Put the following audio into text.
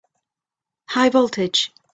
High voltage!